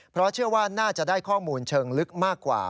เพราะเชื่อว่าน่าจะได้ข้อมูลเชิงลึกมากกว่า